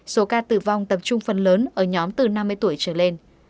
số ca tử vong tập trung phần lớn ở nhóm từ năm mươi tuổi trở lên